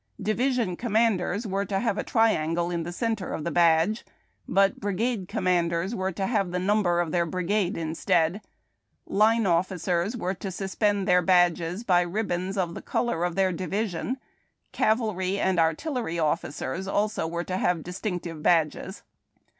Division commanders were to have a triangle in the centre of the badge, but brigade commanders were to have the number of their brigade instead ; line officers were to sus pend their badges by ribbons of the color of their division; cavalry and artillery officers also were to have distinctive badges.